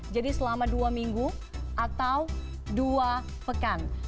jadi selama dua minggu atau dua pekan